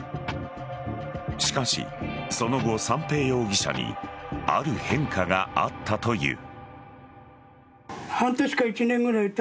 しかし、その後三瓶容疑者にある変化があったという。